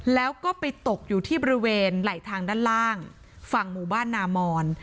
แล้วก็ไปตกอยู่ที่บริเวณไหลทางด้านล่างฝั่งหมู่บ้านนามอน